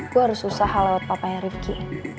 gue harus usaha lewat papanya rifki